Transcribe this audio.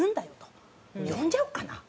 「呼んじゃおっかな」。